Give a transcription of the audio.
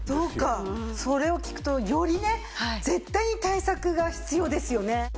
それを聞くとよりね絶対に対策が必要ですよね。